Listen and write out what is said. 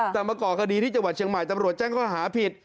แต่มาก่อคดีที่จังหวัดเชียงใหม่ตำรวจแจ้งข้อหาผิด